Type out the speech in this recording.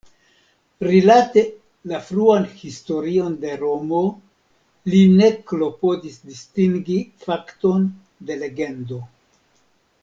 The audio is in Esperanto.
Rilate la fruan historion de Romo, li ne klopodis distingi fakton de legendo.